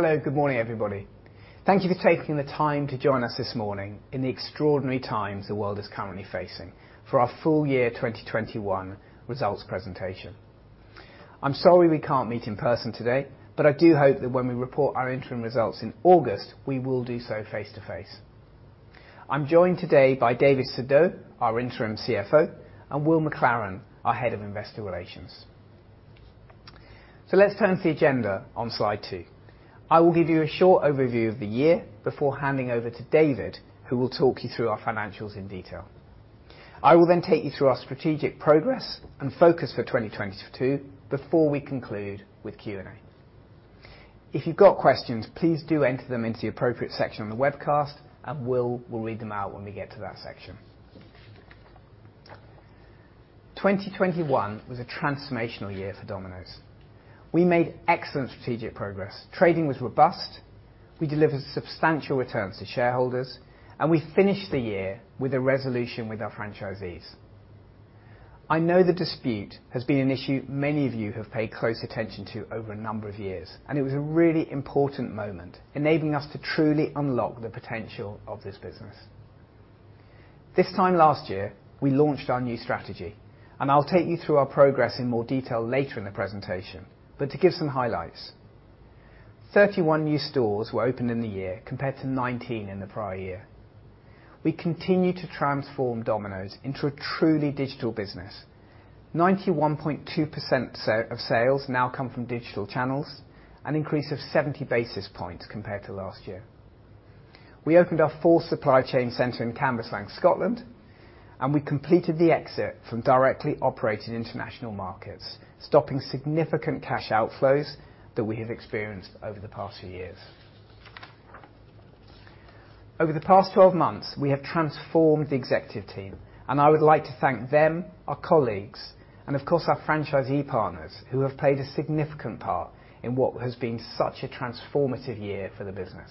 Hello. Good morning, everybody. Thank you for taking the time to join us this morning in the extraordinary times the world is currently facing for our full year 2021 results presentation. I'm sorry we can't meet in person today, but I do hope that when we report our interim results in August, we will do so face to face. I'm joined today by David Surdeau, our Interim CFO, and Will MacLaren, our Head of Investor Relations. Let's turn to the agenda on slide 2. I will give you a short overview of the year before handing over to David, who will talk you through our financials in detail. I will then take you through our strategic progress and focus for 2022 before we conclude with Q&A. If you've got questions, please do enter them into the appropriate section on the webcast, and Will will read them out when we get to that section. 2021 was a transformational year for Domino's. We made excellent strategic progress. Trading was robust. We delivered substantial returns to shareholders, and we finished the year with a resolution with our franchisees. I know the dispute has been an issue many of you have paid close attention to over a number of years, and it was a really important moment, enabling us to truly unlock the potential of this business. This time last year, we launched our new strategy, and I'll take you through our progress in more detail later in the presentation. To give some highlights. 31 new stores were opened in the year compared to 19 in the prior year. We continue to transform Domino's into a truly digital business. 91.2% of sales now come from digital channels, an increase of 70 basis points compared to last year. We opened our fourth supply chain center in Cambuslang, Scotland. We completed the exit from directly operated international markets, stopping significant cash outflows that we have experienced over the past few years. Over the past 12 months, we have transformed the executive team, and I would like to thank them, our colleagues, and of course our franchisee partners who have played a significant part in what has been such a transformative year for the business.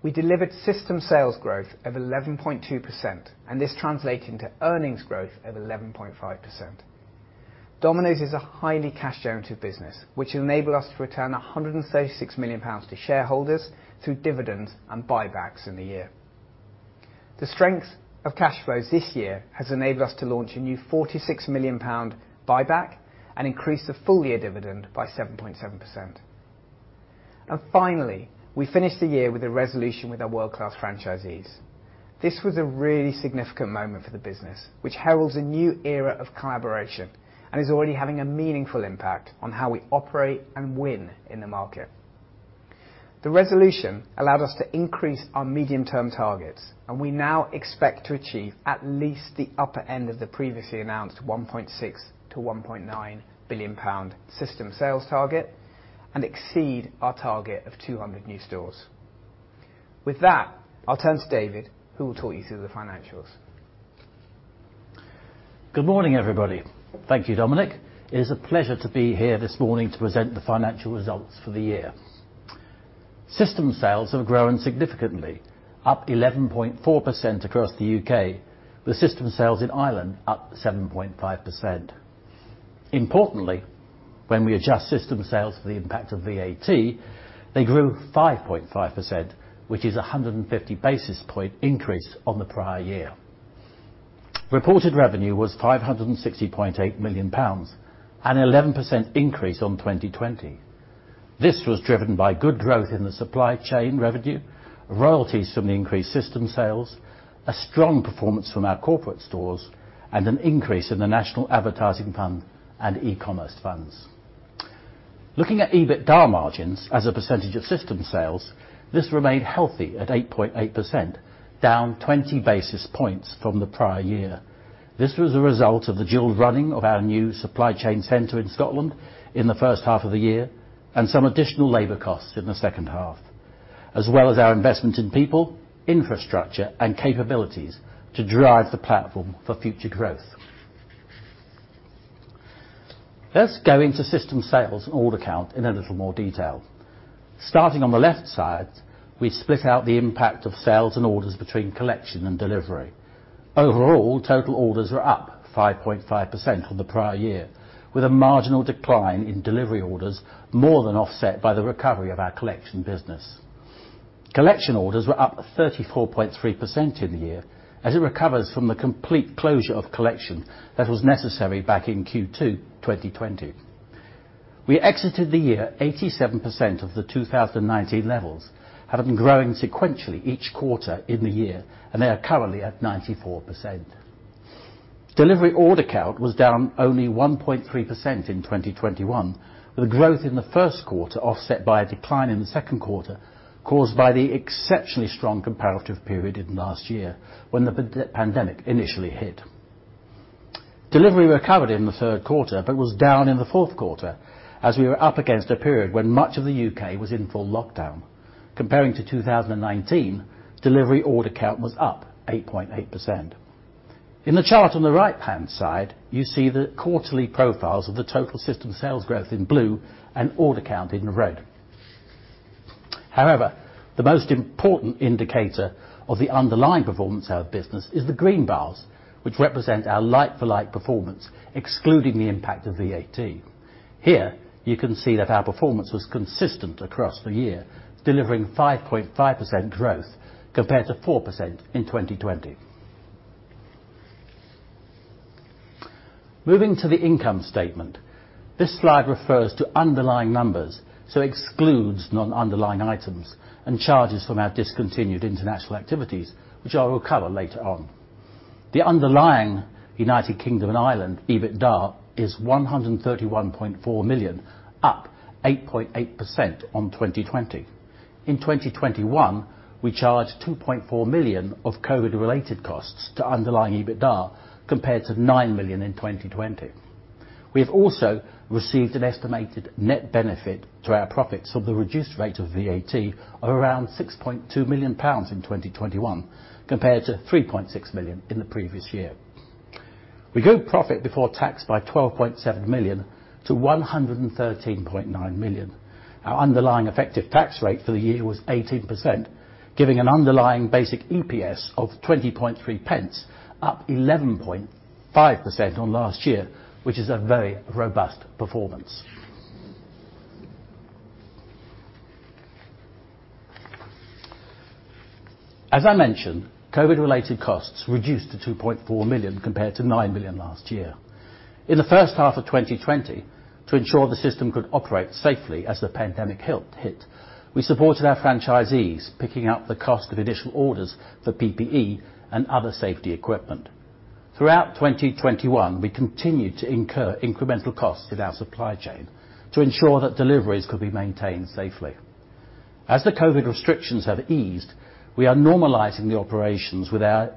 We delivered system sales growth of 11.2%, and this translating to earnings growth of 11.5%. Domino's is a highly cash generative business, which enable us to return 136 million pounds to shareholders through dividends and buybacks in the year. The strength of cash flows this year has enabled us to launch a new 46 million pound buyback and increase the full year dividend by 7.7%. Finally, we finished the year with a resolution with our world class franchisees. This was a really significant moment for the business, which heralds a new era of collaboration and is already having a meaningful impact on how we operate and win in the market. The resolution allowed us to increase our medium-term targets, and we now expect to achieve at least the upper end of the previously announced 1.6 billion to 1.9 billion pound system sales target and exceed our target of 200 new stores. With that, I'll turn to David, who will talk you through the financials. Good morning, everybody. Thank you, Dominic. It is a pleasure to be here this morning to present the financial results for the year. System sales have grown significantly, up 11.4% across the U.K., with system sales in Ireland up 7.5%. Importantly, when we adjust system sales for the impact of VAT, they grew 5.5%, which is a 150 basis point increase on the prior year. Reported revenue was 560.8 million pounds, an 11% increase on 2020. This was driven by good growth in the supply chain revenue, royalties from the increased system sales, a strong performance from our corporate stores, and an increase in the national advertising fund and e-commerce funds. Looking at EBITDA margins as a percentage of system sales, this remained healthy at 8.8%, down 20 basis points from the prior year. This was a result of the dual running of our new supply chain center in Scotland in the first half of the year and some additional labor costs in the second half, as well as our investment in people, infrastructure and capabilities to drive the platform for future growth. Let's go into system sales and order count in a little more detail. Starting on the left side, we split out the impact of sales and orders between collection and delivery. Overall, total orders were up 5.5% on the prior year, with a marginal decline in delivery orders more than offset by the recovery of our collection business. Collection orders were up 34.3% in the year as it recovers from the complete closure of collection that was necessary back in Q2 2020. We exited the year 87% of the 2019 levels, having grown sequentially each quarter in the year, and they are currently at 94%. Delivery order count was down only 1.3% in 2021, with a growth in the first quarter offset by a decline in the second quarter caused by the exceptionally strong comparative period in last year when the pandemic initially hit. Delivery recovered in the third quarter but was down in the fourth quarter as we were up against a period when much of the U.K. was in full lockdown. Comparing to 2019, delivery order count was up 8.8%. In the chart on the right-hand side, you see the quarterly profiles of the total system sales growth in blue and order count in red. However, the most important indicator of the underlying performance of our business is the green bars, which represent our like-for-like performance, excluding the impact of the VAT. Here, you can see that our performance was consistent across the year, delivering 5.5% growth compared to 4% in 2020. Moving to the income statement, this slide refers to underlying numbers, so excludes non-underlying items and charges from our discontinued international activities, which I will cover later on. The underlying United Kingdom and Ireland EBITDA is 131.4 million, up 8.8% on 2020. In 2021, we charged 2.4 million of COVID related costs to underlying EBITDA, compared to 9 million in 2020. We have also received an estimated net benefit to our profits of the reduced rate of VAT of around 6.2 million pounds in 2021, compared to 3.6 million in the previous year. We grew profit before tax by 12.7 million to 113.9 million. Our underlying effective tax rate for the year was 18%, giving an underlying basic EPS of 20.3 pence, up 11.5% on last year, which is a very robust performance. As I mentioned, COVID related costs reduced to 2.4 million compared to 9 million last year. In the first half of 2020, to ensure the system could operate safely as the pandemic hit, we supported our franchisees picking up the cost of initial orders for PPE and other safety equipment. Throughout 2021, we continued to incur incremental costs with our supply chain to ensure that deliveries could be maintained safely. As the COVID restrictions have eased, we are normalizing the operations with our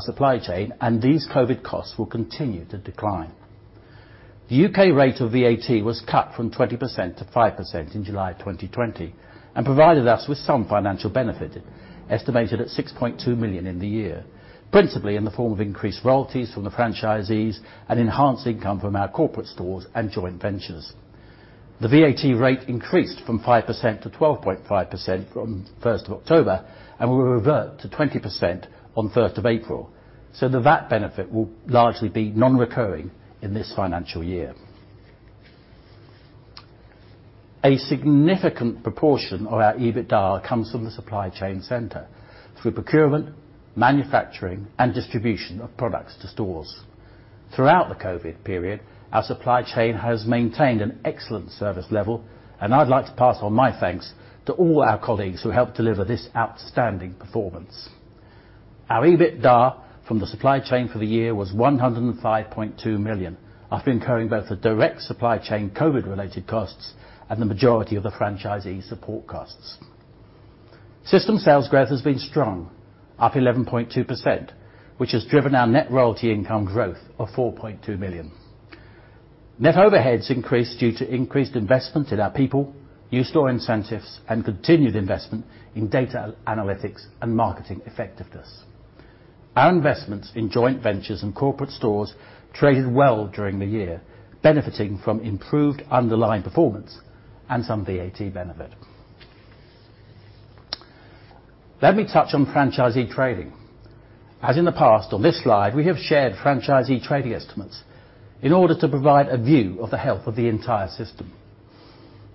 supply chain, and these COVID costs will continue to decline. The U.K. rate of VAT was cut from 20% to 5% in July 2020, and provided us with some financial benefit, estimated at 6.2 million in the year, principally in the form of increased royalties from the franchisees and enhanced income from our corporate stores and joint ventures. The VAT rate increased from 5% to 12.5% from 1st of October and will revert to 20% on 1st of April, so that benefit will largely be non-recurring in this financial year. A significant proportion of our EBITDA comes from the supply chain center through procurement, manufacturing, and distribution of products to stores. Throughout the COVID period, our supply chain has maintained an excellent service level, and I'd like to pass on my thanks to all our colleagues who helped deliver this outstanding performance. Our EBITDA from the supply chain for the year was 105.2 million, after incurring both the direct supply chain COVID-related costs and the majority of the franchisee support costs. System sales growth has been strong, up 11.2%, which has driven our net royalty income growth of 4.2 million. Net overheads increased due to increased investment in our people, new store incentives, and continued investment in data analytics and marketing effectiveness. Our investments in joint ventures and corporate stores traded well during the year, benefiting from improved underlying performance and some VAT benefit. Let me touch on franchisee trading. As in the past, on this slide, we have shared franchisee trading estimates in order to provide a view of the health of the entire system.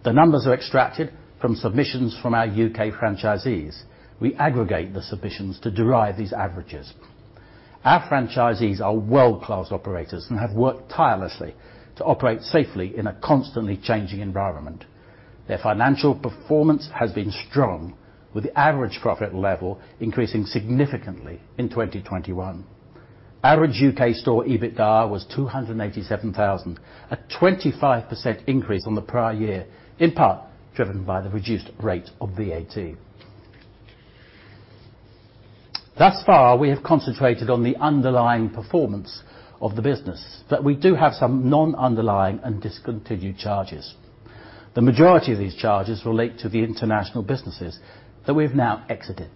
The numbers are extracted from submissions from our U.K. franchisees. We aggregate the submissions to derive these averages. Our franchisees are world-class operators and have worked tirelessly to operate safely in a constantly changing environment. Their financial performance has been strong, with the average profit level increasing significantly in 2021. Average U.K. store EBITDA was 287,000, a 25% increase on the prior year, in part driven by the reduced rate of VAT. Thus far, we have concentrated on the underlying performance of the business, but we do have some non-underlying and discontinued charges. The majority of these charges relate to the international businesses that we have now exited.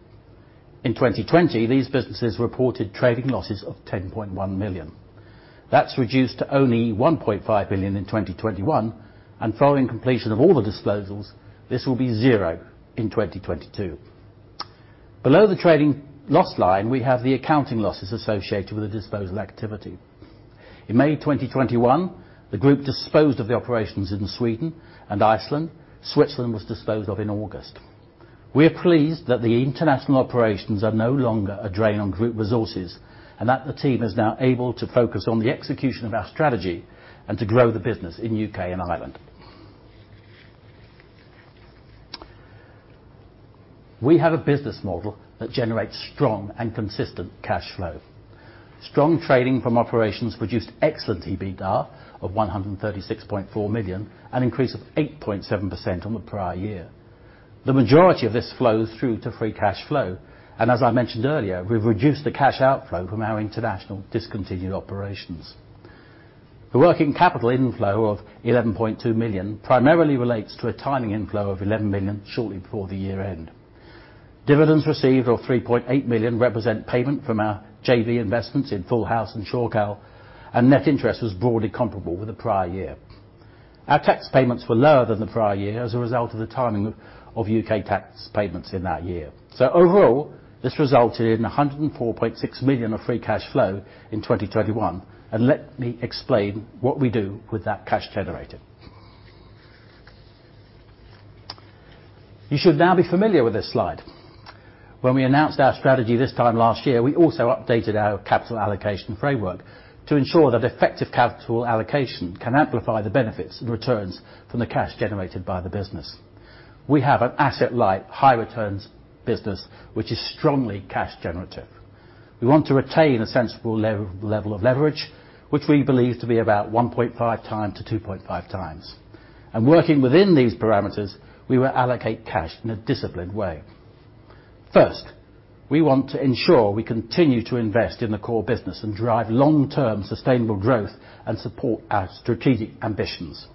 In 2020, these businesses reported trading losses of 10.1 million. That's reduced to only 1.5 million in 2021, and following completion of all the disposals, this will be zero in 2022. Below the trading loss line, we have the accounting losses associated with the disposal activity. In May 2021, the group disposed of the operations in Sweden and Iceland. Switzerland was disposed of in August. We are pleased that the international operations are no longer a drain on group resources and that the team is now able to focus on the execution of our strategy and to grow the business in U.K. and Ireland. We have a business model that generates strong and consistent cash flow. Strong trading from operations produced excellent EBITDA of 136.4 million, an increase of 8.7% on the prior year. The majority of this flows through to free cash flow, and as I mentioned earlier, we've reduced the cash outflow from our international discontinued operations. The working capital inflow of 11.2 million primarily relates to a timing inflow of 11 million shortly before the year end. Dividends received of 3.8 million represent payment from our JV investments in Full House and Shorecal, and net interest was broadly comparable with the prior year. Our tax payments were lower than the prior year as a result of the timing of U.K. tax payments in that year. Overall, this resulted in 104.6 million of free cash flow in 2021. Let me explain what we do with that cash generated. You should now be familiar with this slide. When we announced our strategy this time last year, we also updated our capital allocation framework to ensure that effective capital allocation can amplify the benefits and returns from the cash generated by the business. We have an asset-light, high returns business, which is strongly cash generative. We want to retain a sensible level of leverage, which we believe to be about 1.5x to 2.5x. Working within these parameters, we will allocate cash in a disciplined way. First, we want to ensure we continue to invest in the core business and drive long-term sustainable growth and support our strategic ambitions.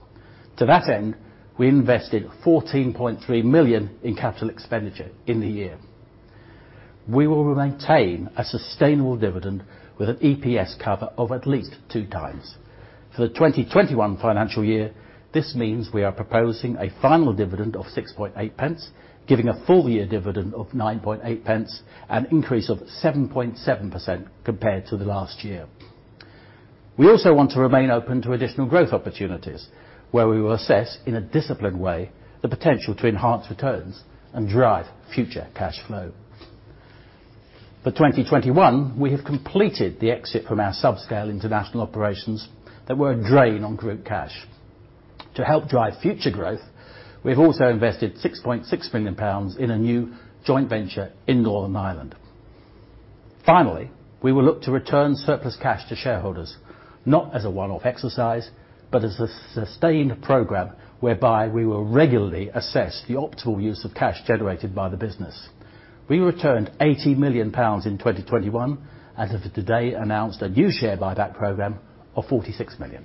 To that end, we invested 14.3 million in capital expenditure in the year. We will maintain a sustainable dividend with an EPS cover of at least 2x. For the 2021 financial year, this means we are proposing a final dividend of 6.8 pence, giving a full year dividend of 9.8 pence, an increase of 7.7% compared to the last year. We also want to remain open to additional growth opportunities, where we will assess, in a disciplined way, the potential to enhance returns and drive future cash flow. For 2021, we have completed the exit from our subscale international operations that were a drain on group cash. To help drive future growth, we've also invested 6.6 million pounds in a new joint venture in Northern Ireland. Finally, we will look to return surplus cash to shareholders, not as a one-off exercise, but as a sustained program whereby we will regularly assess the optimal use of cash generated by the business. We returned 80 million pounds in 2021 and as of today announced a new share buyback program of 46 million.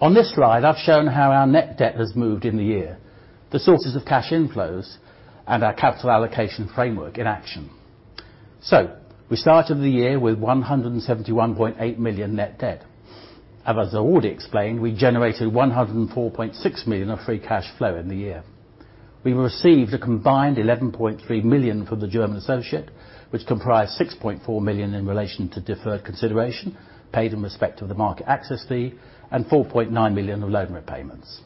On this slide, I've shown how our net debt has moved in the year, the sources of cash inflows, and our capital allocation framework in action. We started the year with 171.8 million net debt. As I already explained, we generated 104.6 million of free cash flow in the year. We received a combined 11.3 million from the German associate, which comprised 6.4 million in relation to deferred consideration paid in respect of the market access fee and 4.9 million of loan repayments.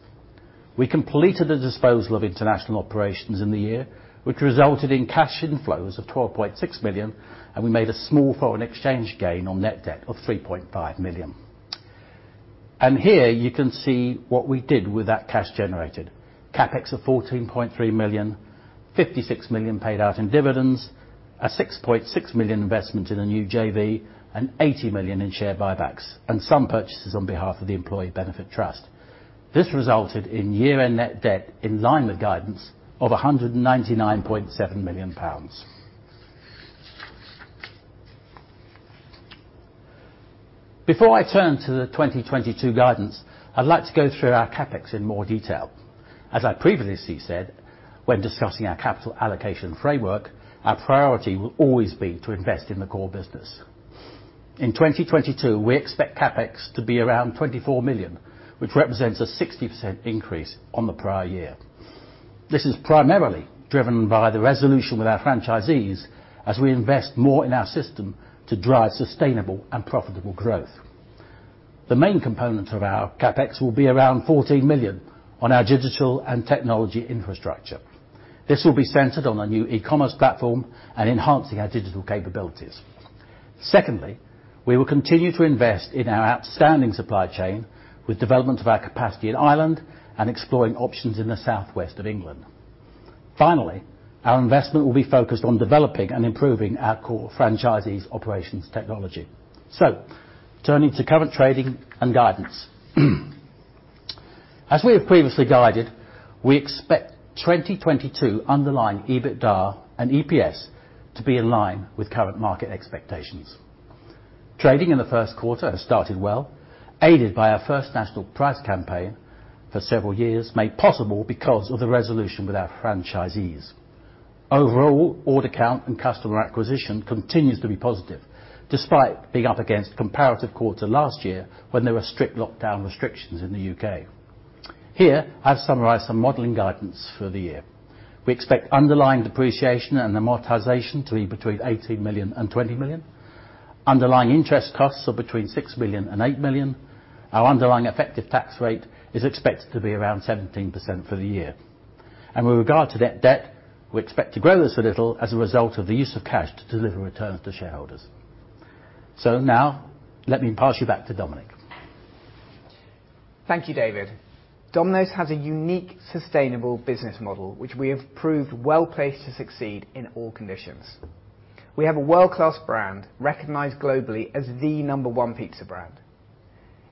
We completed the disposal of international operations in the year, which resulted in cash inflows of 12.6 million, and we made a small foreign exchange gain on net debt of 3.5 million. Here you can see what we did with that cash generated. CapEx of 14.3 million, 56 million paid out in dividends, a 6.6 million investment in a new JV, and 80 million in share buybacks, and some purchases on behalf of the employee benefit trust. This resulted in year-end net debt in line with guidance of 199.7 million pounds. Before I turn to the 2022 guidance, I'd like to go through our CapEx in more detail. As I previously said, when discussing our capital allocation framework, our priority will always be to invest in the core business. In 2022, we expect CapEx to be around 24 million, which represents a 60% increase on the prior year. This is primarily driven by the resolution with our franchisees as we invest more in our system to drive sustainable and profitable growth. The main component of our CapEx will be around 14 million on our digital and technology infrastructure. This will be centered on a new e-commerce platform and enhancing our digital capabilities. Secondly, we will continue to invest in our outstanding supply chain with development of our capacity in Ireland and exploring options in the southwest of England. Finally, our investment will be focused on developing and improving our core franchisees operations technology. Turning to current trading and guidance. As we have previously guided, we expect 2022 underlying EBITDA and EPS to be in line with current market expectations. Trading in the first quarter has started well, aided by our first national price campaign for several years, made possible because of the resolution with our franchisees. Overall, order count and customer acquisition continues to be positive despite being up against comparative quarter last year when there were strict lockdown restrictions in the U.K. Here, I've summarized some modeling guidance for the year. We expect underlying depreciation and amortization to be between 18 million and 20 million, underlying interest costs of between 6 million and 8 million. Our underlying effective tax rate is expected to be around 17% for the year. With regard to net debt, we expect to grow this a little as a result of the use of cash to deliver returns to shareholders. Now let me pass you back to Dominic. Thank you, David. Domino's has a unique, sustainable business model, which we have proved well-placed to succeed in all conditions. We have a world-class brand recognized globally as the number one pizza brand.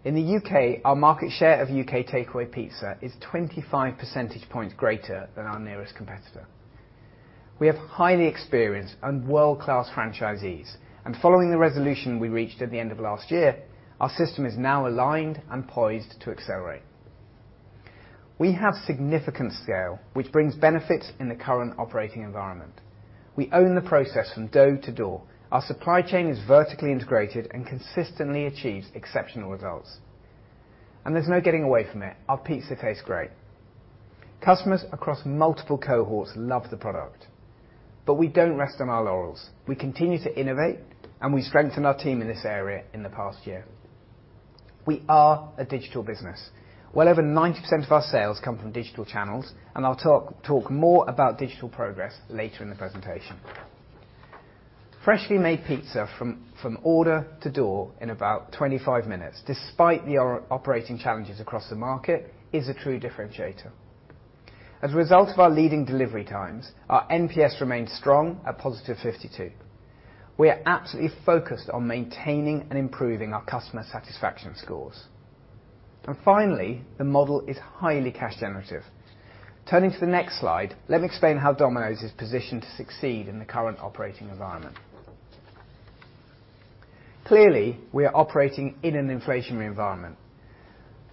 In the U.K., our market share of U.K. takeaway pizza is 25 percentage points greater than our nearest competitor We have highly experienced and world-class franchisees. Following the resolution we reached at the end of last year, our system is now aligned and poised to accelerate. We have significant scale, which brings benefits in the current operating environment. We own the process from dough to door. Our supply chain is vertically integrated and consistently achieves exceptional results. There's no getting away from it, our pizza tastes great. Customers across multiple cohorts love the product. We don't rest on our laurels. We continue to innovate, and we strengthened our team in this area in the past year. We are a digital business. Well over 90% of our sales come from digital channels, and I'll talk more about digital progress later in the presentation. Freshly made pizza from order to door in about 25 minutes, despite the operating challenges across the market, is a true differentiator. As a result of our leading delivery times, our NPS remains strong at +52. We are absolutely focused on maintaining and improving our customer satisfaction scores. Finally, the model is highly cash generative. Turning to the next slide, let me explain how Domino's is positioned to succeed in the current operating environment. Clearly, we are operating in an inflationary environment.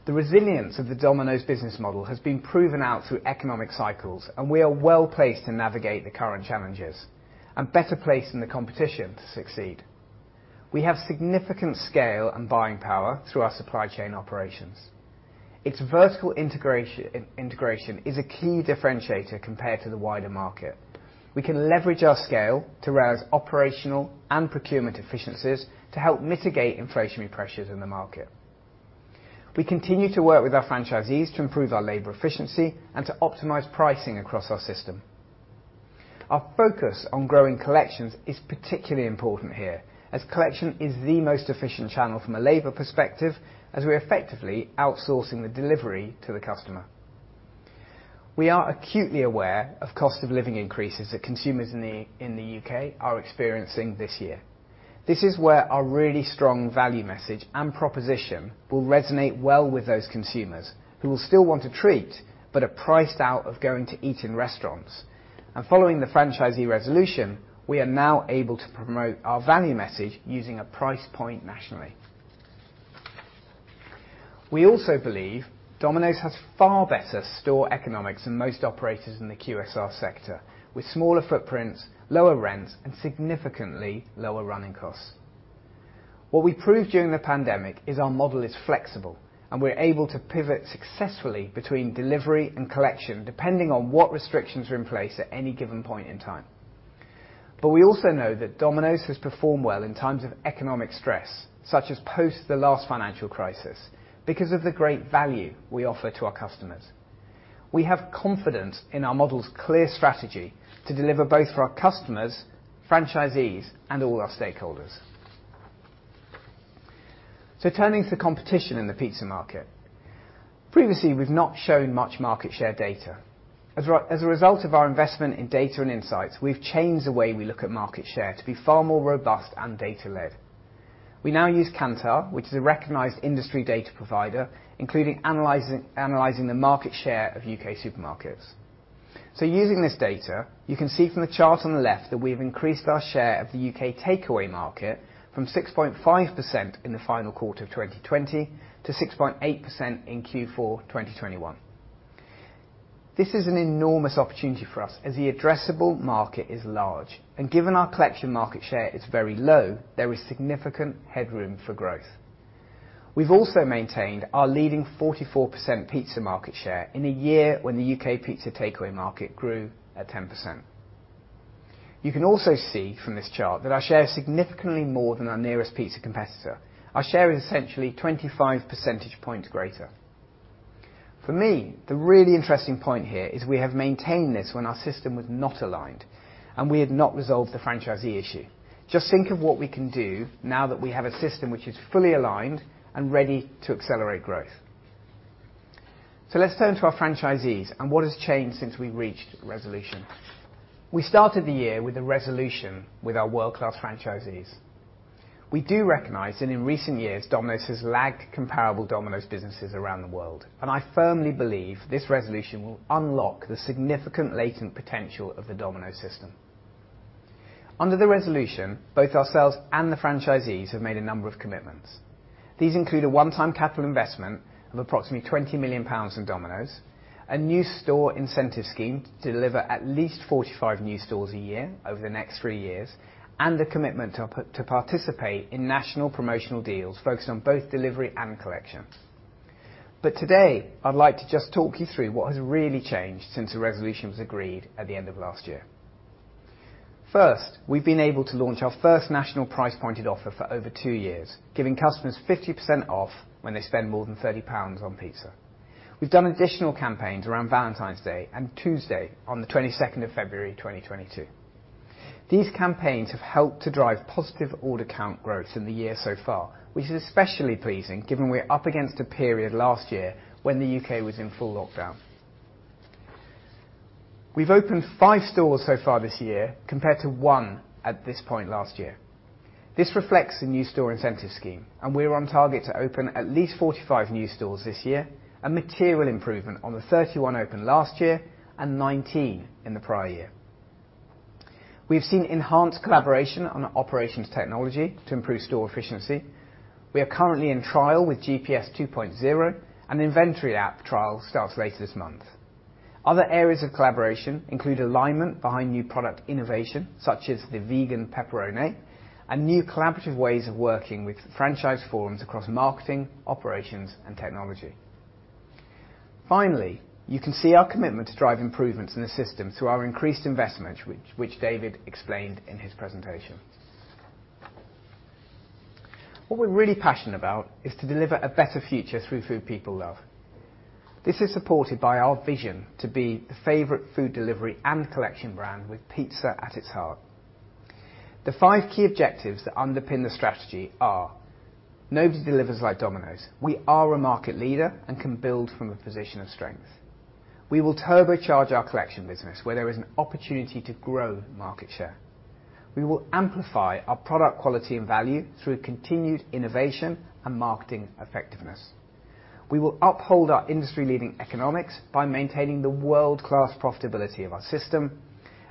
The resilience of the Domino's business model has been proven out through economic cycles, and we are well-placed to navigate the current challenges, and better placed than the competition to succeed. We have significant scale and buying power through our supply chain operations. Its vertical integration is a key differentiator compared to the wider market. We can leverage our scale to raise operational and procurement efficiencies to help mitigate inflationary pressures in the market. We continue to work with our franchisees to improve our labor efficiency and to optimize pricing across our system. Our focus on growing collections is particularly important here, as collection is the most efficient channel from a labor perspective, as we're effectively outsourcing the delivery to the customer. We are acutely aware of cost of living increases that consumers in the U.K. are experiencing this year. This is where our really strong value message and proposition will resonate well with those consumers who will still want a treat but are priced out of going to eat in restaurants. Following the franchisee resolution, we are now able to promote our value message using a price point nationally. We also believe Domino's has far better store economics than most operators in the QSR sector, with smaller footprints, lower rents, and significantly lower running costs. What we proved during the pandemic is our model is flexible, and we're able to pivot successfully between delivery and collection, depending on what restrictions are in place at any given point in time. We also know that Domino's has performed well in times of economic stress, such as post the last financial crisis, because of the great value we offer to our customers. We have confidence in our model's clear strategy to deliver both for our customers, franchisees, and all our stakeholders. Turning to the competition in the pizza market. Previously, we've not shown much market share data. As a result of our investment in data and insights, we've changed the way we look at market share to be far more robust and data-led. We now use Kantar, which is a recognized industry data provider, including analyzing the market share of U.K. supermarkets. Using this data, you can see from the chart on the left that we have increased our share of the U.K. takeaway market from 6.5% in the final quarter of 2020 to 6.8% in Q4 2021. This is an enormous opportunity for us, as the addressable market is large. Given our collection market share is very low, there is significant headroom for growth. We've also maintained our leading 44% pizza market share in a year when the U.K. pizza takeaway market grew at 10%. You can also see from this chart that our share is significantly more than our nearest pizza competitor. Our share is essentially 25 percentage points greater. For me, the really interesting point here is we have maintained this when our system was not aligned and we had not resolved the franchisee issue. Just think of what we can do now that we have a system which is fully aligned and ready to accelerate growth. Let's turn to our franchisees and what has changed since we reached resolution. We started the year with a resolution with our world-class franchisees. We do recognize that in recent years, Domino's has lagged comparable Domino's businesses around the world, and I firmly believe this resolution will unlock the significant latent potential of the Domino's system. Under the resolution, both ourselves and the franchisees have made a number of commitments. These include a one-time capital investment of approximately 20 million pounds in Domino's, a new store incentive scheme to deliver at least 45 new stores a year over the next three years, and a commitment to participate in national promotional deals focused on both delivery and collection. Today, I'd like to just talk you through what has really changed since the resolution was agreed at the end of last year. First, we've been able to launch our first national price-pointed offer for over two years, giving customers 50% off when they spend more than 30 pounds on pizza. We've done additional campaigns around Valentine's Day and Tuesday on the 22nd of February 2022. These campaigns have helped to drive positive order count growth in the year so far, which is especially pleasing given we're up against a period last year when the U.K. was in full lockdown. We've opened five stores so far this year, compared to one at this point last year. This reflects the new store incentive scheme, and we're on target to open at least 45 new stores this year, a material improvement on the 31 opened last year and 19 in the prior year. We've seen enhanced collaboration on operations technology to improve store efficiency. We are currently in trial with GPS 2.0 and the inventory app trial starts later this month. Other areas of collaboration include alignment behind new product innovation, such as the vegan pepperoni, and new collaborative ways of working with franchise forums across marketing, operations, and technology. Finally, you can see our commitment to drive improvements in the system through our increased investment, which David explained in his presentation. What we're really passionate about is to deliver a better future through food people love. This is supported by our vision to be the favorite food delivery and collection brand with pizza at its heart. The five key objectives that underpin the strategy are, nobody delivers like Domino's. We are a market leader and can build from a position of strength. We will turbocharge our collection business where there is an opportunity to grow market share. We will amplify our product quality and value through continued innovation and marketing effectiveness. We will uphold our industry-leading economics by maintaining the world-class profitability of our system,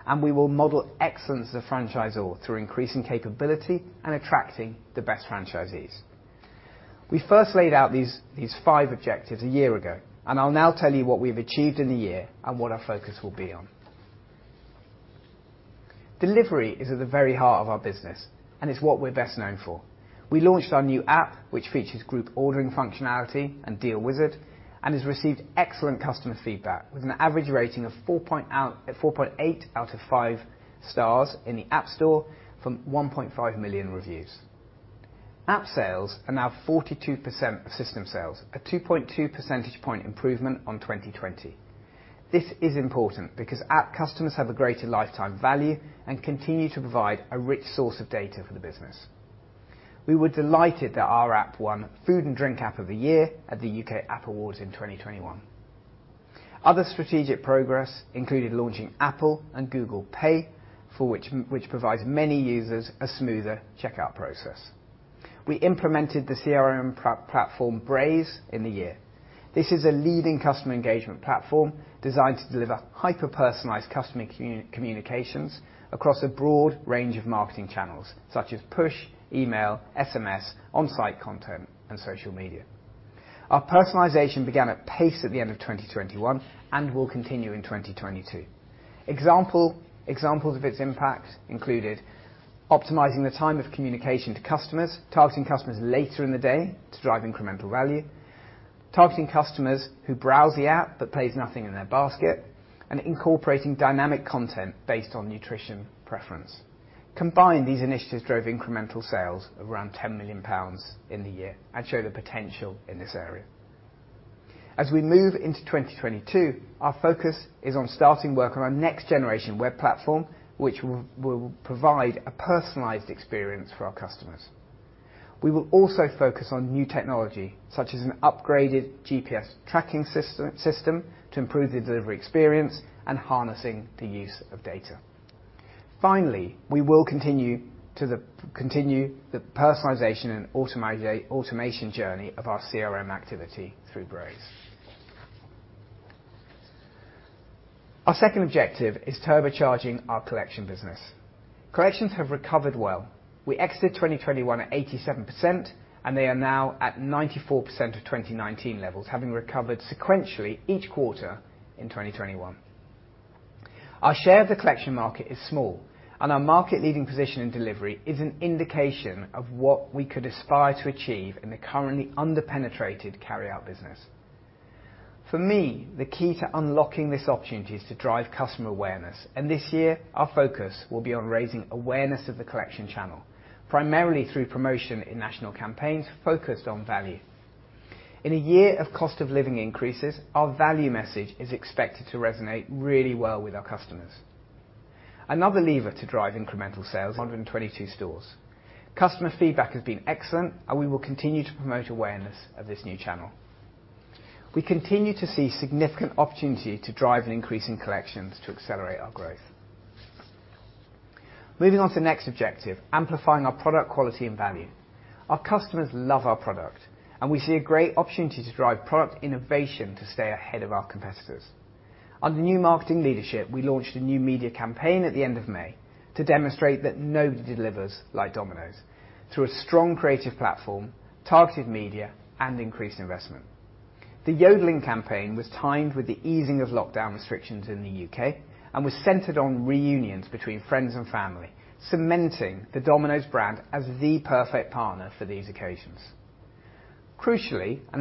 and we will model excellence as a franchisor through increasing capability and attracting the best franchisees. We first laid out these five objectives a year ago, and I'll now tell you what we've achieved in the year and what our focus will be on. Delivery is at the very heart of our business, and it's what we're best known for. We launched our new app, which features group ordering functionality and deal wizard and has received excellent customer feedback with an average rating of 4.8 out of 5 stars in the App Store from 1.5 million reviews. App sales are now 42% of system sales, a 2.2 percentage point improvement on 2020. This is important because app customers have a greater lifetime value and continue to provide a rich source of data for the business. We were delighted that our app won Food and Drink App of the Year at the UK App Awards in 2021. Other strategic progress included launching Apple Pay and Google Pay, for which provides many users a smoother checkout process. We implemented the CRM platform, Braze, in the year. This is a leading customer engagement platform designed to deliver hyper-personalized customer communications across a broad range of marketing channels, such as push, email, SMS, on-site content, and social media. Our personalization began at pace at the end of 2021 and will continue in 2022. Examples of its impact included optimizing the time of communication to customers, targeting customers later in the day to drive incremental value, targeting customers who browse the app but place nothing in their basket, and incorporating dynamic content based on nutrition preference. Combined, these initiatives drove incremental sales of around 10 million pounds in the year and show the potential in this area. As we move into 2022, our focus is on starting work on our next generation web platform, which will provide a personalized experience for our customers. We will also focus on new technology, such as an upgraded GPS tracking system to improve the delivery experience and harnessing the use of data. Finally, we will continue the personalization and automation journey of our CRM activity through Braze. Our second objective is turbocharging our collection business. Collections have recovered well. We exited 2021 at 87%, and they are now at 94% of 2019 levels, having recovered sequentially each quarter in 2021. Our share of the collection market is small, and our market-leading position in delivery is an indication of what we could aspire to achieve in the currently under-penetrated carryout business. For me, the key to unlocking this opportunity is to drive customer awareness, and this year our focus will be on raising awareness of the collection channel, primarily through promotion in national campaigns focused on value. In a year of cost of living increases, our value message is expected to resonate really well with our customers. Another lever to drive incremental sales, 122 stores. Customer feedback has been excellent, and we will continue to promote awareness of this new channel. We continue to see significant opportunity to drive an increase in collections to accelerate our growth. Moving on to the next objective, amplifying our product quality and value. Our customers love our product, and we see a great opportunity to drive product innovation to stay ahead of our competitors. Under new marketing leadership, we launched a new media campaign at the end of May to demonstrate that nobody delivers like Domino's through a strong creative platform, targeted media, and increased investment. The yodeling campaign was timed with the easing of lockdown restrictions in the U.K. and was centered on reunions between friends and family, cementing the Domino's brand as the perfect partner for these occasions. Crucially, and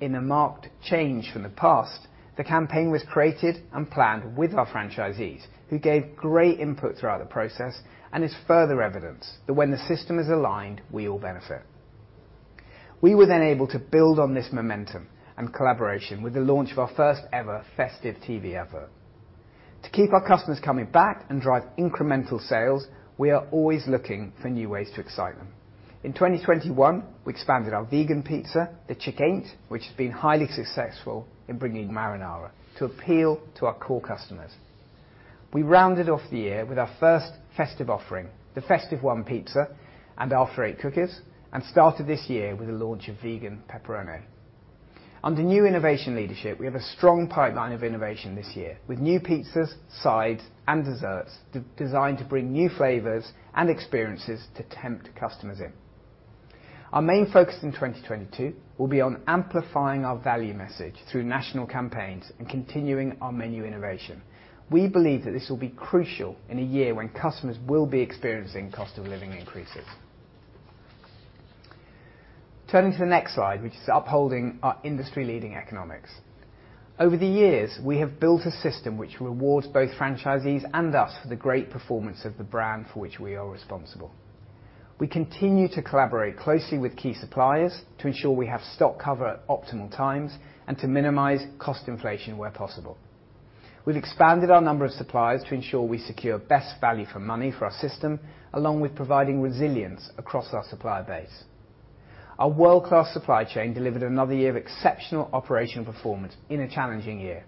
in a marked change from the past, the campaign was created and planned with our franchisees, who gave great input throughout the process and is further evidence that when the system is aligned, we all benefit. We were then able to build on this momentum and collaboration with the launch of our first ever festive TV advert. To keep our customers coming back and drive incremental sales, we are always looking for new ways to excite them. In 2021, we expanded our vegan pizza, the Chick-Ain't, which has been highly successful in bringing marinara to appeal to our core customers. We rounded off the year with our first festive offering, the Festive One pizza and our After Eight cookies, and started this year with the launch of Vegan PepperoNAY. Under new innovation leadership, we have a strong pipeline of innovation this year with new pizzas, sides, and desserts designed to bring new flavors and experiences to tempt customers in. Our main focus in 2022 will be on amplifying our value message through national campaigns and continuing our menu innovation. We believe that this will be crucial in a year when customers will be experiencing cost of living increases. Turning to the next slide, which is upholding our industry-leading economics. Over the years, we have built a system which rewards both franchisees and us for the great performance of the brand for which we are responsible. We continue to collaborate closely with key suppliers to ensure we have stock cover at optimal times and to minimize cost inflation where possible. We've expanded our number of suppliers to ensure we secure best value for money for our system, along with providing resilience across our supplier base. Our world-class supply chain delivered another year of exceptional operational performance in a challenging year.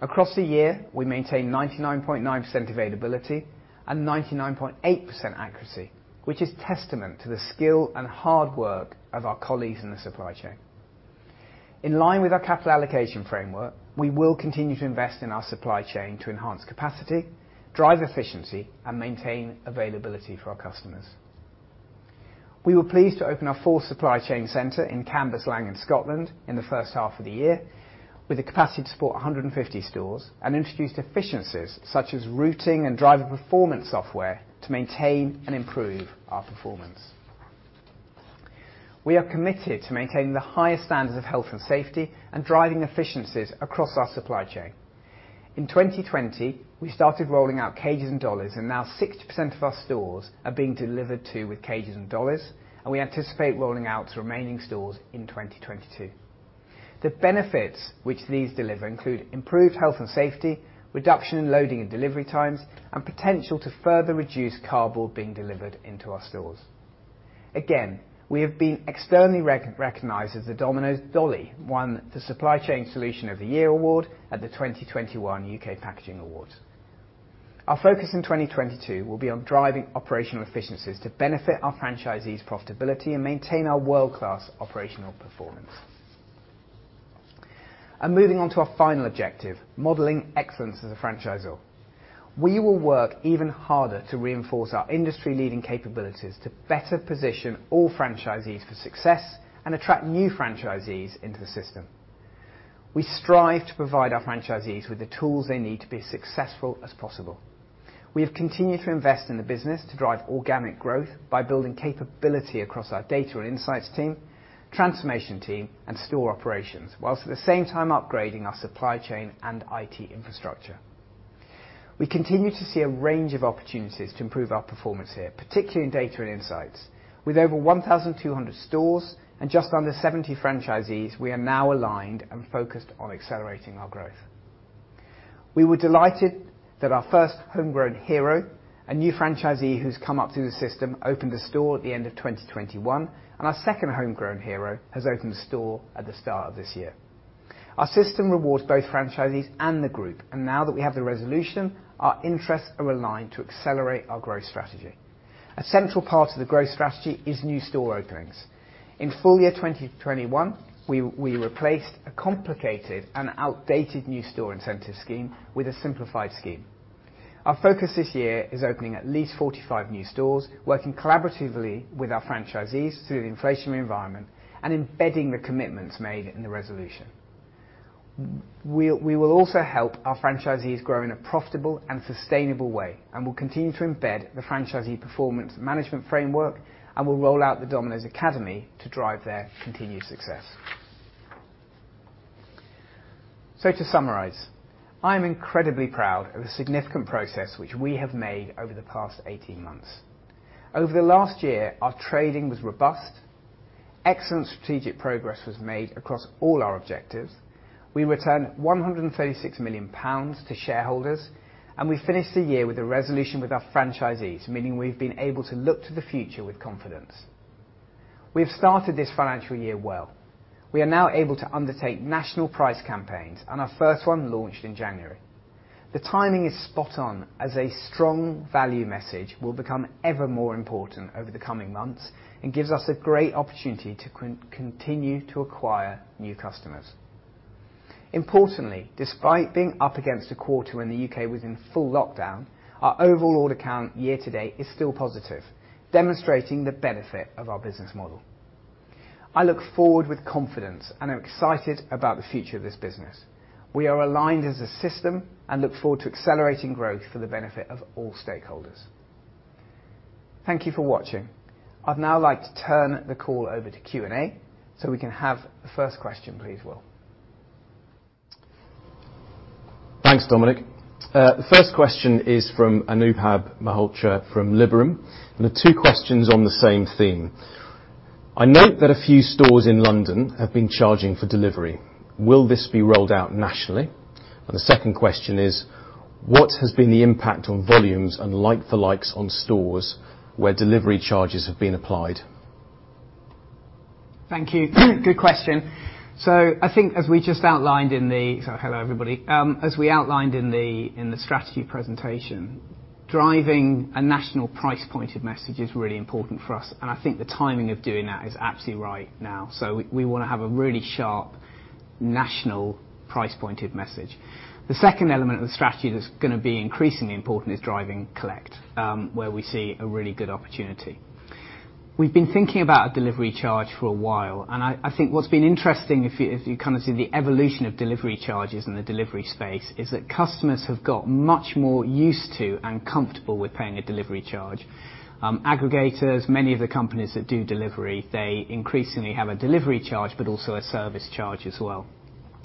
Across the year, we maintained 99.9% availability and 99.8% accuracy, which is testament to the skill and hard work of our colleagues in the supply chain. In line with our capital allocation framework, we will continue to invest in our supply chain to enhance capacity, drive efficiency, and maintain availability for our customers. We were pleased to open our fourth supply chain center in Cambuslang in Scotland in the first half of the year with the capacity to support 150 stores and introduced efficiencies such as routing and driver performance software to maintain and improve our performance. We are committed to maintaining the highest standards of health and safety and driving efficiencies across our supply chain. In 2020, we started rolling out cages and dollies, and now 60% of our stores are being delivered to with cages and dollies, and we anticipate rolling out to remaining stores in 2022. The benefits which these deliver include improved health and safety, reduction in loading and delivery times, and potential to further reduce cardboard being delivered into our stores. Again, we have been externally recognized as the Domino's dolly won the Supply Chain Solution of the Year Award at the 2021 UK Packaging Awards. Our focus in 2022 will be on driving operational efficiencies to benefit our franchisees' profitability and maintain our world-class operational performance. Moving on to our final objective, modeling excellence as a franchisor. We will work even harder to reinforce our industry-leading capabilities to better position all franchisees for success and attract new franchisees into the system. We strive to provide our franchisees with the tools they need to be as successful as possible. We have continued to invest in the business to drive organic growth by building capability across our data and insights team, transformation team, and store operations, while at the same time upgrading our supply chain and IT infrastructure. We continue to see a range of opportunities to improve our performance here, particularly in data and insights. With over 1,200 stores and just under 70 franchisees, we are now aligned and focused on accelerating our growth. We were delighted that our first homegrown hero, a new franchisee who's come up through the system, opened a store at the end of 2021, and our second homegrown hero has opened a store at the start of this year. Our system rewards both franchisees and the group, and now that we have the resolution, our interests are aligned to accelerate our growth strategy. A central part of the growth strategy is new store openings. In full year 2021, we replaced a complicated and outdated new store incentive scheme with a simplified scheme. Our focus this year is opening at least 45 new stores, working collaboratively with our franchisees through the inflationary environment and embedding the commitments made in the resolution. We will also help our franchisees grow in a profitable and sustainable way, and we'll continue to embed the franchisee performance management framework, and we'll roll out the Domino's Academy to drive their continued success. To summarize, I am incredibly proud of the significant progress which we have made over the past 18 months. Over the last year, our trading was robust, excellent strategic progress was made across all our objectives, we returned 136 million pounds to shareholders, and we finished the year with a resolution with our franchisees, meaning we've been able to look to the future with confidence. We have started this financial year well. We are now able to undertake national price campaigns, and our first one launched in January. The timing is spot on, as a strong value message will become ever more important over the coming months and gives us a great opportunity to continue to acquire new customers. Importantly, despite being up against a quarter when the U.K. was in full lockdown, our overall order count year to date is still positive, demonstrating the benefit of our business model. I look forward with confidence, and I'm excited about the future of this business. We are aligned as a system and look forward to accelerating growth for the benefit of all stakeholders. Thank you for watching. I'd now like to turn the call over to Q&A so we can have the first question. Please, Will. Thanks, Dominic. The first question is from Anubhav Malhotra from Liberum, and there are two questions on the same theme. I note that a few stores in London have been charging for delivery. Will this be rolled out nationally? The second question is what has been the impact on volumes and like-for-like on stores where delivery charges have been applied? Thank you. Good question. Hello, everybody. As we outlined in the strategy presentation, driving a national price pointed message is really important for us, and I think the timing of doing that is absolutely right now. We wanna have a really sharp national price pointed message. The second element of the strategy that's gonna be increasingly important is driving collect, where we see a really good opportunity. We've been thinking about a delivery charge for a while, and I think what's been interesting if you kind of see the evolution of delivery charges in the delivery space is that customers have got much more used to and comfortable with paying a delivery charge. Aggregators, many of the companies that do delivery, they increasingly have a delivery charge, but also a service charge as well.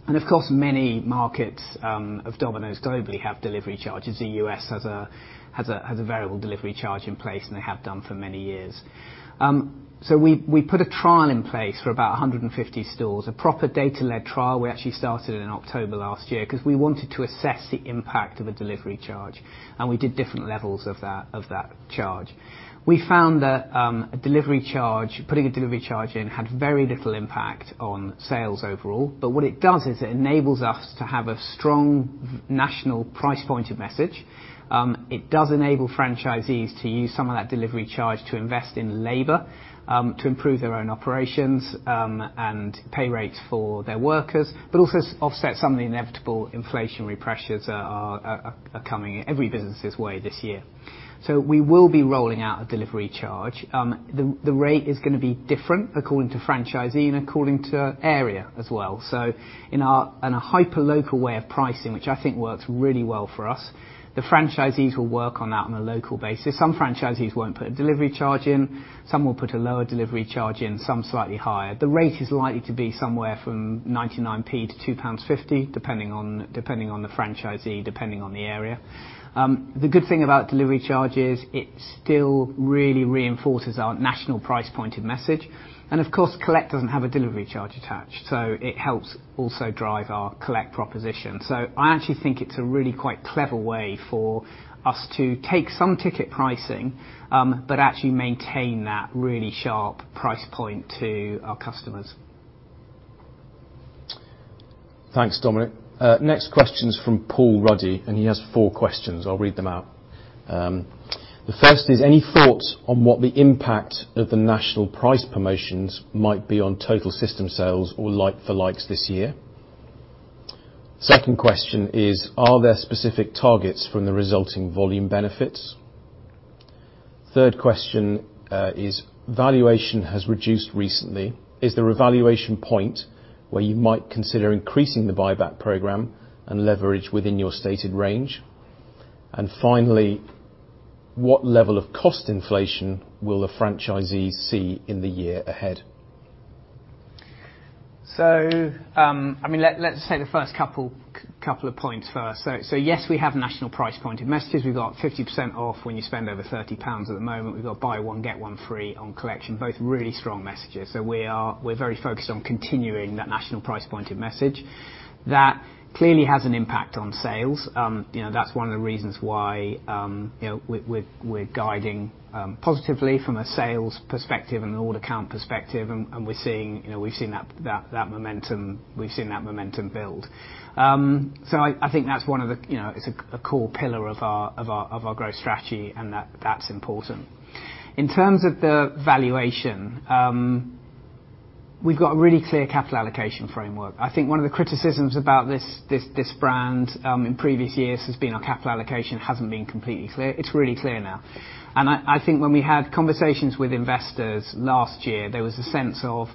Of course, many markets of Domino's globally have delivery charges. The U.S. has a variable delivery charge in place, and they have done for many years. We put a trial in place for about 150 stores, a proper data-led trial. We actually started in October last year 'cause we wanted to assess the impact of a delivery charge, and we did different levels of that charge. We found that a delivery charge, putting a delivery charge in had very little impact on sales overall. What it does is it enables us to have a strong national price-pointed message. It does enable franchisees to use some of that delivery charge to invest in labor, to improve their own operations, and pay rates for their workers, but also offset some of the inevitable inflationary pressures are coming every business' way this year. We will be rolling out a delivery charge. The rate is gonna be different according to franchisee and according to area as well. In a hyper-local way of pricing, which I think works really well for us, the franchisees will work on that on a local basis. Some franchisees won't put a delivery charge in, some will put a lower delivery charge in, some slightly higher. The rate is likely to be somewhere from 0.99 to 2.50 pounds, depending on the franchisee, depending on the area. The good thing about delivery charge is it still really reinforces our national price pointed message, and of course, collect doesn't have a delivery charge attached. It helps also drive our collect proposition. I actually think it's a really quite clever way for us to take some ticket pricing, but actually maintain that really sharp price point to our customers. Thanks, Dominic. Next question's from Paul Ruddy, and he has four questions. I'll read them out. The first is, any thoughts on what the impact of the national price promotions might be on total system sales or like-for-like this year? Second question is, are there specific targets from the resulting volume benefits? Third question is, valuation has reduced recently. Is there a valuation point where you might consider increasing the buyback program and leverage within your stated range? And finally, what level of cost inflation will the franchisees see in the year ahead? I mean, let's take the first couple of points first. Yes, we have national price pointed messages. We've got 50% off when you spend over 30 pounds at the moment. We've got buy one, get one free on collection. Both really strong messages. We are very focused on continuing that national price pointed message. That clearly has an impact on sales. You know, that's one of the reasons why, you know, we're guiding positively from a sales perspective and an order count perspective. We're seeing, you know, we've seen that momentum build. I think that's one of the, you know, it's a core pillar of our growth strategy, and that's important. In terms of the valuation, we've got a really clear capital allocation framework. I think one of the criticisms about this brand in previous years has been our capital allocation hasn't been completely clear. It's really clear now. I think when we had conversations with investors last year, there was a sense of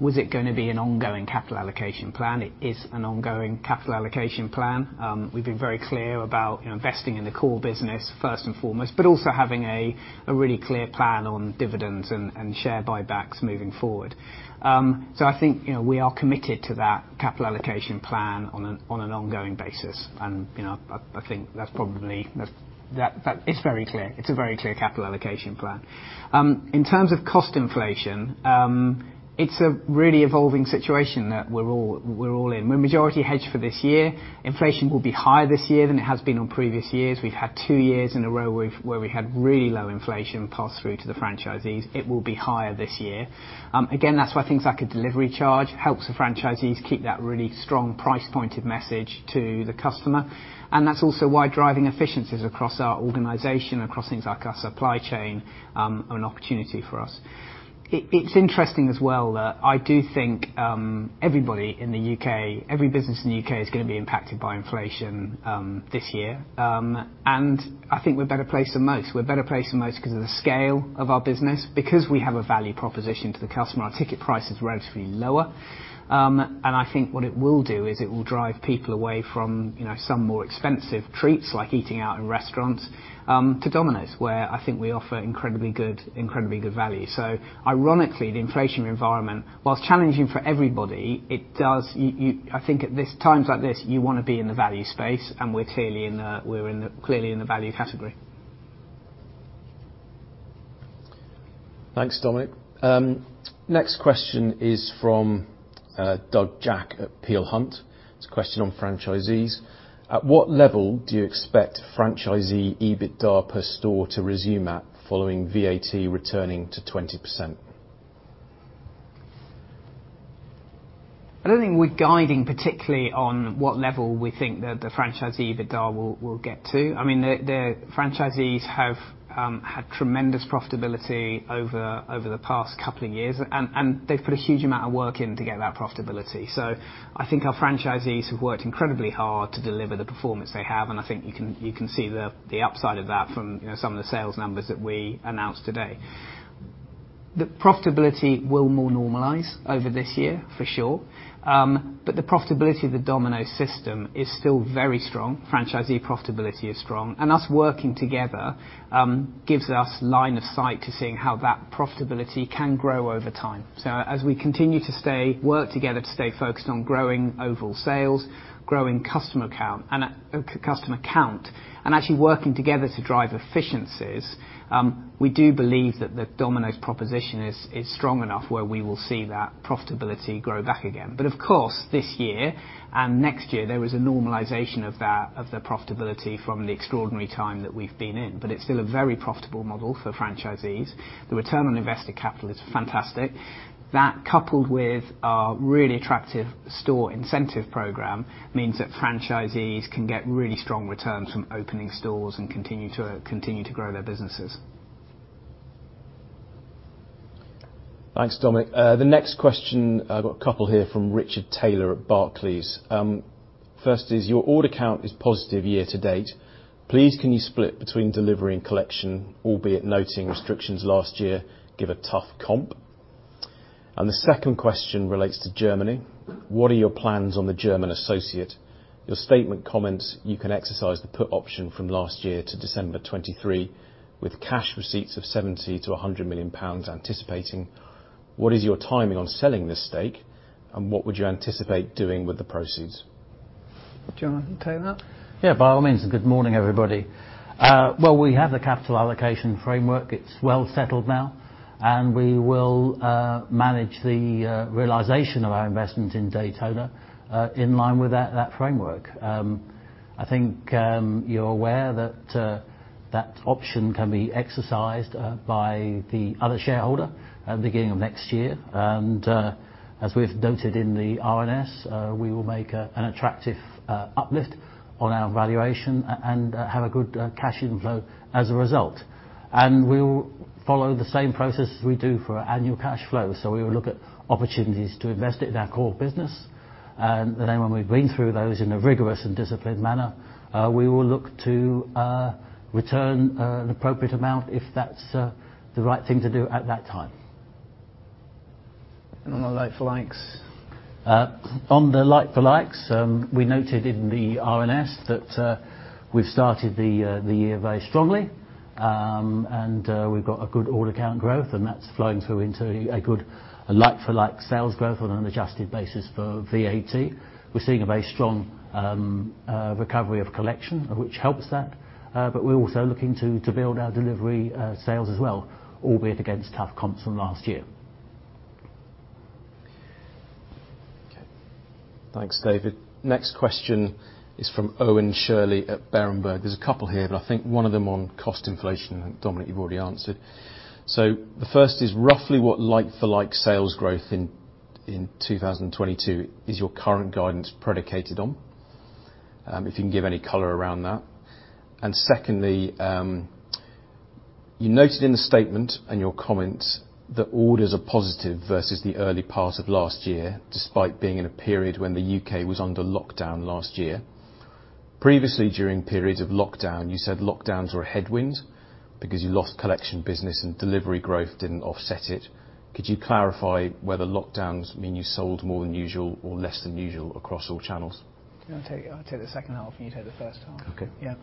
was it gonna be an ongoing capital allocation plan? It is an ongoing capital allocation plan. We've been very clear about, you know, investing in the core business first and foremost, but also having a really clear plan on dividends and share buybacks moving forward. I think, you know, we are committed to that capital allocation plan on an ongoing basis. You know, I think that's probably very clear. It's a very clear capital allocation plan. In terms of cost inflation, it's a really evolving situation that we're all in. We're majority hedged for this year. Inflation will be higher this year than it has been on previous years. We've had two years in a row where we had really low inflation pass through to the franchisees. It will be higher this year. Again, that's why things like a delivery charge helps the franchisees keep that really strong price pointed message to the customer. That's also why driving efficiencies across our organization, across things like our supply chain, are an opportunity for us. It's interesting as well that I do think everybody in the U.K., every business in the U.K. is gonna be impacted by inflation this year. I think we're better placed than most. We're better placed than most 'cause of the scale of our business. Because we have a value proposition to the customer, our ticket price is relatively lower. I think what it will do is it will drive people away from, you know, some more expensive treats like eating out in restaurants, to Domino's, where I think we offer incredibly good value. Ironically, the inflation environment, while challenging for everybody. I think at times like this, you wanna be in the value space, and we're clearly in the value category. Thanks, Dominic. Next question is from Doug Jack at Peel Hunt. It's a question on franchisees. At what level do you expect franchisee EBITDA per store to resume at following VAT returning to 20%? I don't think we're guiding particularly on what level we think the franchisee EBITDA will get to. I mean, the franchisees have had tremendous profitability over the past couple of years, and they've put a huge amount of work in to get that profitability. I think our franchisees have worked incredibly hard to deliver the performance they have, and I think you can see the upside of that from, you know, some of the sales numbers that we announced today. The profitability will more normalize over this year, for sure. The profitability of the Domino's system is still very strong. Franchisee profitability is strong and us working together gives us line of sight to seeing how that profitability can grow over time. As we continue to work together to stay focused on growing overall sales, growing customer count, and customer count, and actually working together to drive efficiencies, we do believe that the Domino's proposition is strong enough where we will see that profitability grow back again. Of course, this year, and next year, there is a normalization of that, of the profitability from the extraordinary time that we've been in. It's still a very profitable model for franchisees. The return on invested capital is fantastic. That, coupled with our really attractive store incentive program, means that franchisees can get really strong returns from opening stores and continue to grow their businesses. Thanks, Dominic. The next question, I've got a couple here from Richard Taylor at Barclays. First is, your order count is positive year to date. Please can you split between delivery and collection, albeit noting restrictions last year give a tough comp? The second question relates to Germany. What are your plans on the German Associate? Your statement comments you can exercise the put option from last year to December 2023, with cash receipts of 70 million to 100 million pounds anticipated. What is your timing on selling this stake, and what would you anticipate doing with the proceeds? Do you want to take that? Yeah, by all means. Good morning, everybody. Well, we have the capital allocation framework. It's well settled now. We will manage the realization of our investment in Daytona in line with that framework. I think you're aware that that option can be exercised by the other shareholder at the beginning of next year. As we've noted in the RNS, we will make an attractive uplift on our valuation and have a good cash inflow as a result. We will follow the same process as we do for our annual cash flow. We will look at opportunities to invest it in our core business. When we've been through those in a rigorous and disciplined manner, we will look to return an appropriate amount if that's the right thing to do at that time. On the like-for-likes? On the like-for-likes, we noted in the RNS that we've started the year very strongly. We've got a good order count growth, and that's flowing through into a good like-for-like sales growth on an adjusted basis for VAT. We're seeing a very strong recovery of collection, which helps that. But we're also looking to build our delivery sales as well, albeit against tough comps from last year. Okay. Thanks, David. Next question is from Owen Shirley at Berenberg. There's a couple here, but I think one of them on cost inflation, Dominic, you've already answered. The first is roughly what like-for-like sales growth in 2022 is your current guidance predicated on? If you can give any color around that. And secondly, you noted in the statement and your comment that orders are positive versus the early part of last year, despite being in a period when the U.K. was under lockdown last year. Previously, during periods of lockdown, you said lockdowns were a headwind because you lost collection business and delivery growth didn't offset it. Could you clarify whether lockdowns mean you sold more than usual or less than usual across all channels? Do you want to take it? I'll take the second half, and you take the first half. Okay. Yeah.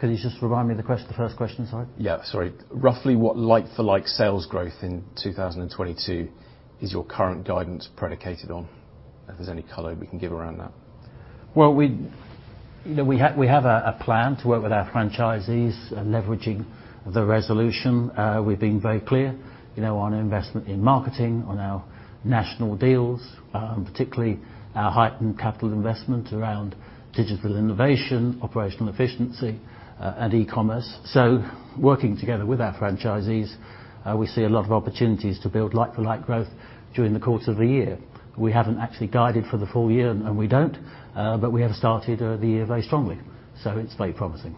Could you just remind me of the first question, sorry? Yeah, sorry. Roughly what like-for-like sales growth in 2022 is your current guidance predicated on? If there's any color we can give around that. Well, you know, we have a plan to work with our franchisees, leveraging the resolution. We're being very clear, you know, on investment in marketing, on our national deals, particularly our heightened capital investment around digital innovation, operational efficiency, and e-commerce. Working together with our franchisees, we see a lot of opportunities to build like-for-like growth during the course of the year. We haven't actually guided for the full year, and we don't. We have started the year very strongly, so it's very promising.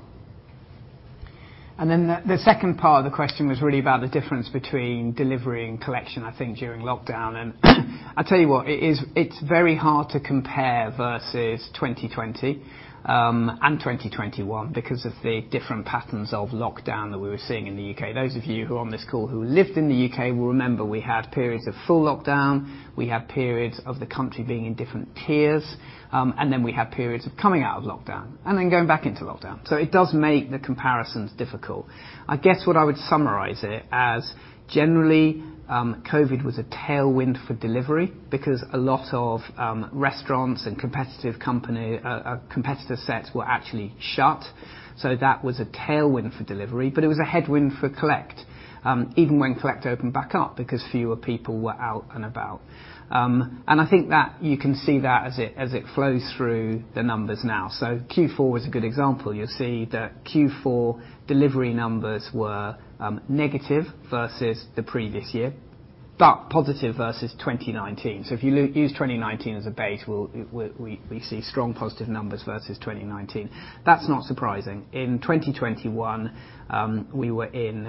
Then the second part of the question was really about the difference between delivery and collection, I think, during lockdown. I tell you what, it is—it's very hard to compare versus 2020 and 2021 because of the different patterns of lockdown that we were seeing in the U.K. Those of you who are on this call who lived in the U.K. will remember we had periods of full lockdown, we had periods of the country being in different tiers, and then we had periods of coming out of lockdown and then going back into lockdown. It does make the comparisons difficult. I guess what I would summarize it as generally, COVID was a tailwind for delivery because a lot of restaurants and competitive company, competitor sets were actually shut. That was a tailwind for delivery, but it was a headwind for collect. Even when collect opened back up, because fewer people were out and about. I think that you can see that as it flows through the numbers now. Q4 was a good example. You'll see that Q4 delivery numbers were negative versus the previous year, but positive versus 2019. If you use 2019 as a base, we see strong positive numbers versus 2019. That's not surprising. In 2021, we were in,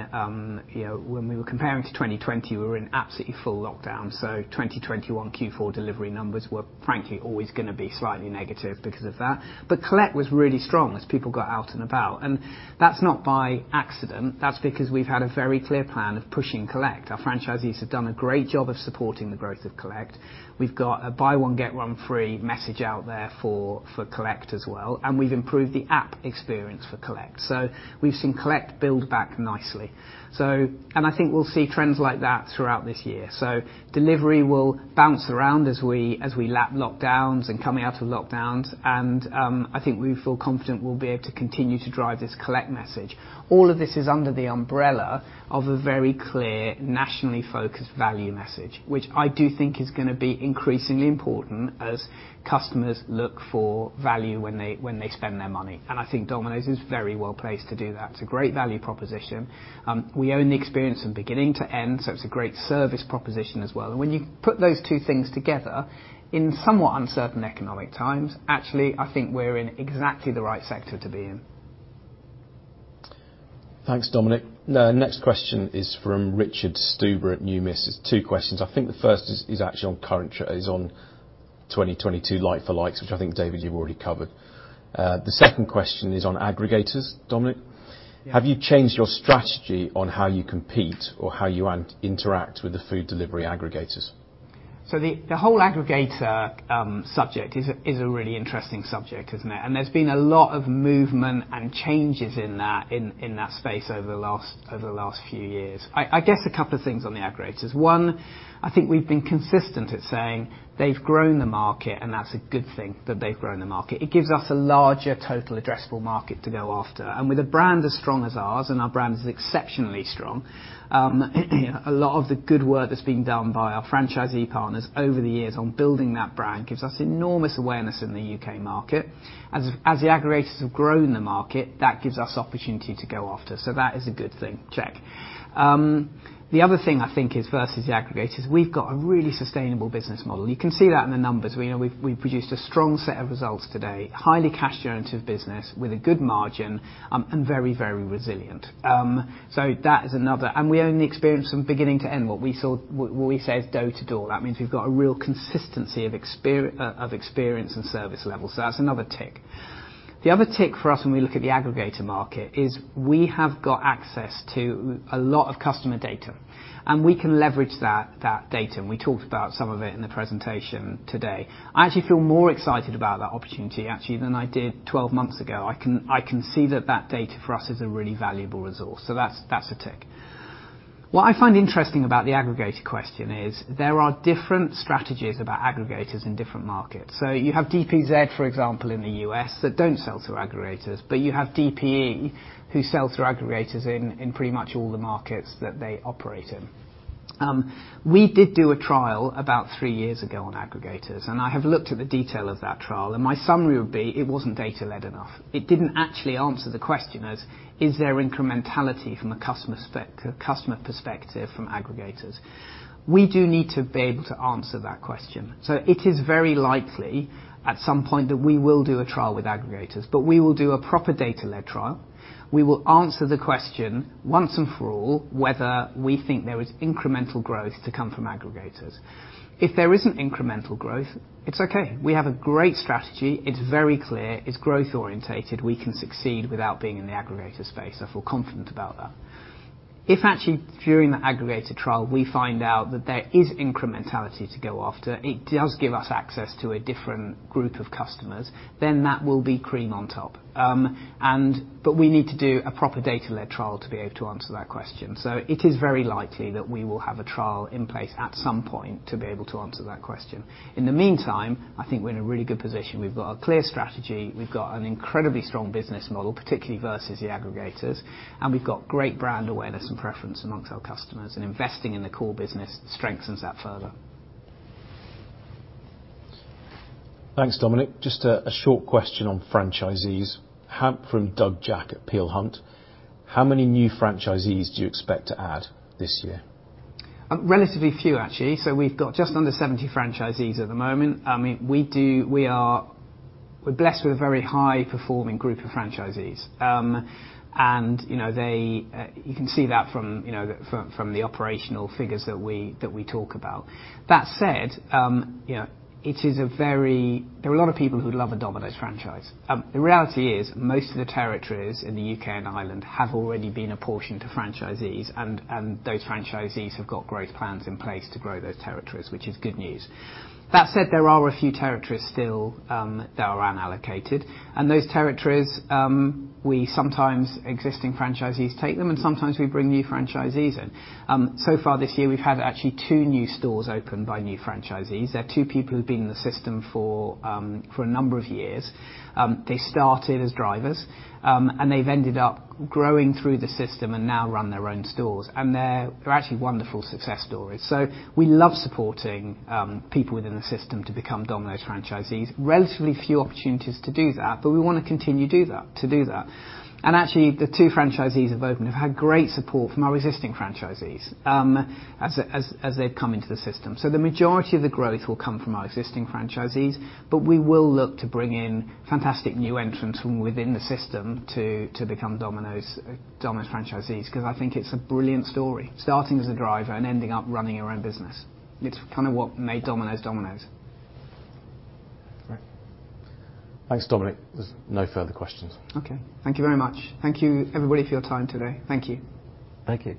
you know, when we were comparing to 2020, we were in absolutely full lockdown. 2021 Q4 delivery numbers were frankly always gonna be slightly negative because of that but collect was really strong as people got out and about, and that's not by accident. That's because we've had a very clear plan of pushing collect. Our franchisees have done a great job of supporting the growth of collect. We've got a buy one get one free message out there for collect as well, and we've improved the app experience for collect. We've seen collect build back nicely. I think we'll see trends like that throughout this year. Delivery will bounce around as we lap lockdowns and coming out of lockdowns. I think we feel confident we'll be able to continue to drive this collect message. All of this is under the umbrella of a very clear, nationally focused value message, which I do think is gonna be increasingly important as customers look for value when they spend their money. I think Domino's is very well placed to do that. It's a great value proposition. We own the experience from beginning to end, so it's a great service proposition as well. When you put those two things together in somewhat uncertain economic times, actually, I think we're in exactly the right sector to be in. Thanks, Dominic. The next question is from Richard Stuber at Numis. It's two questions. I think the first is actually on 2022 like-for-like, which I think, David, you've already covered. The second question is on aggregators, Dominic. Yeah. Have you changed your strategy on how you compete or how you interact with the food delivery aggregators? The whole aggregator subject is a really interesting subject, isn't it? There's been a lot of movement and changes in that space over the last few years. I guess a couple of things on the aggregators. One, I think we've been consistent at saying they've grown the market, and that's a good thing that they've grown the market. It gives us a larger total addressable market to go after. With a brand as strong as ours, and our brand is exceptionally strong, a lot of the good work that's been done by our franchisee partners over the years on building that brand gives us enormous awareness in the U.K. market. As the aggregators have grown the market, that gives us opportunity to go after. That is a good thing. Check. The other thing I think is versus the aggregators, we've got a really sustainable business model. You can see that in the numbers. We know we've produced a strong set of results today. Highly cash generative business with a good margin, and very resilient. That is another. We own the experience from beginning to end, what we say is door to door. That means we've got a real consistency of experience and service levels. That's another tick. The other tick for us when we look at the aggregator market is we have got access to a lot of customer data, and we can leverage that data, and we talked about some of it in the presentation today. I actually feel more excited about that opportunity, actually, than I did 12 months ago. I can see that data for us is a really valuable resource. That's a tick. What I find interesting about the aggregator question is there are different strategies about aggregators in different markets. You have DPZ, for example, in the U.S. that don't sell to aggregators, but you have DPE who sell to aggregators in pretty much all the markets that they operate in. We did do a trial about three years ago on aggregators, and I have looked at the detail of that trial and my summary would be it wasn't data-led enough. It didn't actually answer the question as is there incrementality from a customer's perspective from aggregators? We do need to be able to answer that question. It is very likely at some point that we will do a trial with aggregators, but we will do a proper data-led trial. We will answer the question once and for all whether we think there is incremental growth to come from aggregators. If there isn't incremental growth, it's okay. We have a great strategy. It's very clear. It's growth oriented. We can succeed without being in the aggregator space. I feel confident about that. If actually during the aggregator trial, we find out that there is incrementality to go after, it does give us access to a different group of customers, then that will be cream on top. But we need to do a proper data-led trial to be able to answer that question. It is very likely that we will have a trial in place at some point to be able to answer that question. In the meantime, I think we're in a really good position. We've got a clear strategy. We've got an incredibly strong business model, particularly versus the aggregators. And we've got great brand awareness and preference among our customers. And investing in the core business strengthens that further. Thanks, Dominic. Just a short question on franchisees. From Doug Jack at Peel Hunt. How many new franchisees do you expect to add this year? Relatively few actually. We've got just under 70 franchisees at the moment. I mean, we're blessed with a very high performing group of franchisees. And, you know, they, you can see that from, you know, from the operational figures that we talk about. That said, you know, there are a lot of people who'd love a Domino's franchise. The reality is most of the territories in the U.K. and Ireland have already been apportioned to franchisees and those franchisees have got growth plans in place to grow those territories, which is good news. That said, there are a few territories still that are unallocated. Those territories, we sometimes existing franchisees take them and sometimes we bring new franchisees in. Far this year, we've had actually two new stores opened by new franchisees. They're two people who've been in the system for a number of years. They started as drivers, and they've ended up growing through the system and now run their own stores. They're actually wonderful success stories. We love supporting people within the system to become Domino's franchisees. Relatively few opportunities to do that, but we wanna continue do that, to do that. Actually, the two franchisees have opened have had great support from our existing franchisees, as they've come into the system. The majority of the growth will come from our existing franchisees, but we will look to bring in fantastic new entrants from within the system to become Domino's franchisees, 'cause I think it's a brilliant story. Starting as a driver and ending up running your own business. It's kind of what made Domino's Domino's. Great. Thanks, Dominic. There's no further questions. Okay. Thank you very much. Thank you, everybody, for your time today. Thank you. Thank you.